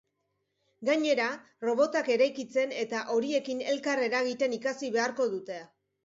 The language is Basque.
Gainera, robotak eraikitzen eta horiekin elkar eragiten ikasi beharko dute.